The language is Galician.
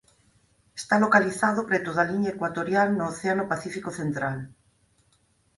Está localizado preto da liña ecuatorial no Océano Pacífico central.